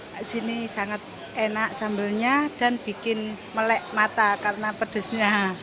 di sini sangat enak sambelnya dan bikin melek mata karena pedesnya